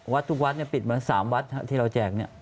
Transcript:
วัดทุกวัดปิดหมดแล้ว๓วัดที่เราแจก